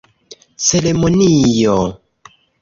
Ceremonio!?